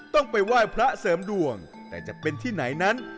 ต้องไปไหว้พระเสริมดวงแต่จะเป็นที่ไหนนั้น